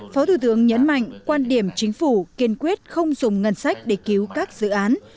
phó thủ tướng nhấn mạnh quan điểm chính phủ kiên quyết không dùng ngân sách để cứu các dự án